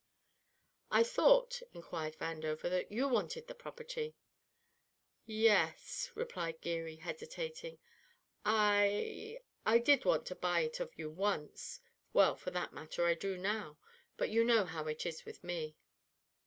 "I thought," inquired Vandover, "that you wanted that property." "Yes," replied Geary, hesitating, "I I did want to buy it of you once; well, for that matter I do now. But you know how it is with me."